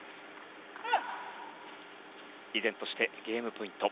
依然としてゲームポイント。